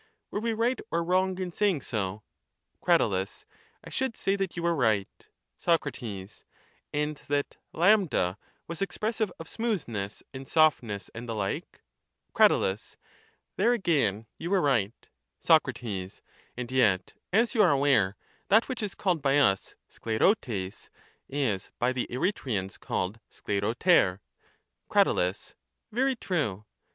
Were we right or wrong in saying so? Crat. I should say that you were right. Soc. And that A was expressive of smoothness, and soft ness, and the Hke? Crat. There again you were right. Soc. And yet, as you are aware, that which is called by us aKXr\pb T\q, is by the Eretrians called aKAjjpoTijp. Crat. Very 4:rue.